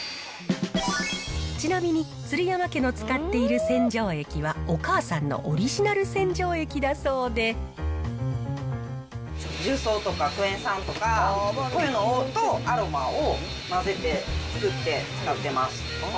ちなみに鶴山家の使っている洗浄液はお母さんのオリジナル洗浄液重曹とか、クエン酸とか、こういうのとアロマを混ぜて作って使ってます。